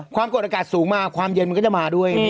ความกดอากาศสูงมาความเย็นมันก็จะมาด้วย